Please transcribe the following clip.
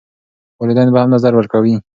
والدین به هم نظر ورکوي.